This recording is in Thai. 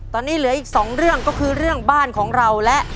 ตอนนี้เหลืออีกสองเรื่องก็คือเรื่องบ้านของเราและ